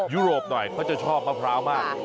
ยุโรปหน่อยเขาจะชอบมะพร้าวมาก